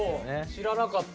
知らなかった。